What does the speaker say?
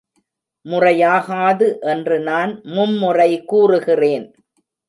முறையாகாது என்று நான் மும்முறை கூறுகிறேன்.